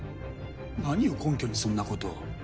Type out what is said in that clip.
何を根拠にそんなことを。